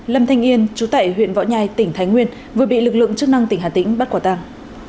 lâm thanh yên chú tại huyện võ nhai tỉnh thái nguyên vừa bị lực lượng chức năng tỉnh hà tĩnh bắt quả tàng